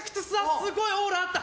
すごいオーラあった。